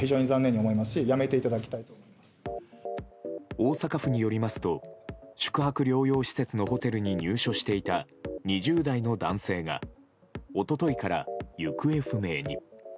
大阪府によりますと宿泊療養施設に入所していた２０代の男性が一昨日から行方不明に。